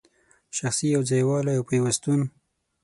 شخصي یو ځای والی او پیوستون